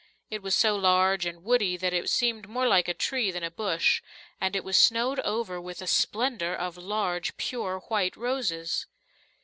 It was so large and woody that it seemed more like a tree than a bush, and it was snowed over with a splendour of large, pure white roses.